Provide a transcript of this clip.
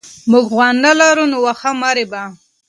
موږ غوا نه لرو نو واښه مه رېبه.